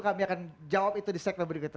kami akan jawab itu di segmen berikutnya